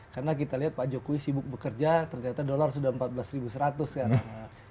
karena kita lihat pak jokowi sibuk bekerja ternyata dolar sudah empat belas seratus sekarang